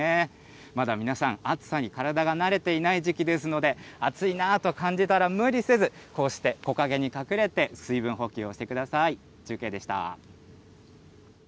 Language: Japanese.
まだ皆さん、暑さに体が慣れていない時期ですので、暑いなと感じたら無理せず、こうして木陰に隠れて、水分補給をしてください。